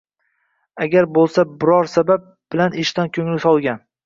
Agar bo‘lsa biror sabab bilan ishdan ko‘ngli sovigan.